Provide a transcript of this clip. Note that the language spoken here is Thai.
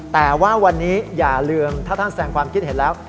แต่ว่าวันนี้อย่าลืมถ้าท่านแสงความคิดเห็นแล้ว